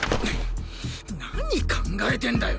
何考えてんだよ！